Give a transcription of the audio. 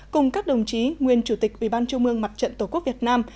cùng các đồng chí nguyên chủ tịch ủy ban trung mương mặt trận tổ quốc việt nam